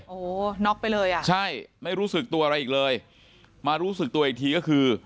โอ้โหน็อกไปเลยอ่ะใช่ไม่รู้สึกตัวอะไรอีกเลยมารู้สึกตัวอีกทีก็คือ